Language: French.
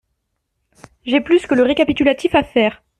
J'ai plus que le récapitulatif à faire.